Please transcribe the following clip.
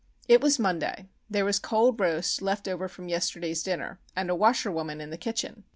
It was Monday; there was cold roast left over from yesterday's dinner, and a washerwoman in the kitchen.